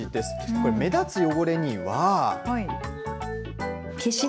これ、目立つ汚れには。